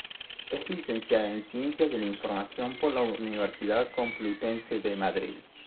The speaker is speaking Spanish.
Es licenciada en Ciencias de la Información por la Universidad Complutense de Madrid.